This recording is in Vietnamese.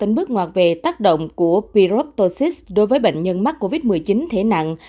một tính bước ngoạt về tác động của pyroptosis đối với bệnh nhân mắc covid một mươi chín thể nặng